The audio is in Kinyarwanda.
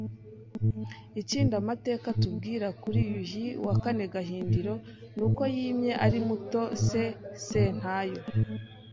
Ikindi amateka atuwira kuri Yuhi IV Gahindiro ni uko yimye ari muto se Sentayo